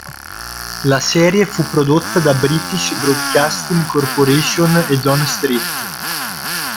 La serie fu prodotta da British Broadcasting Corporation e John Street.